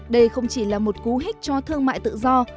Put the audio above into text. đây không chỉ là một cú hích cho thương mại tự do